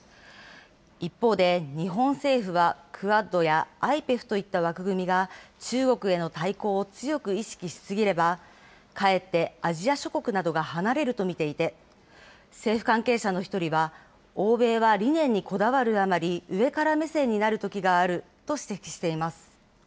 一方で日本政府は、クアッドやＩＰＥＦといった枠組みが、中国への対抗を強く意識しすぎれば、かえってアジア諸国などが離れると見ていて、政府関係者の１人は、欧米は理念にこだわるあまり、上から目線になるときがあると指摘しています。